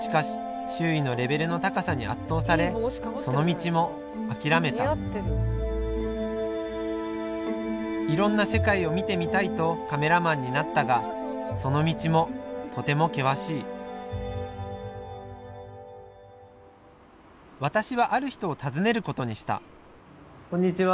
しかし周囲のレベルの高さに圧倒されその道も諦めたいろんな世界を見てみたいとカメラマンになったがその道もとても険しい私はある人を訪ねることにしたこんにちは。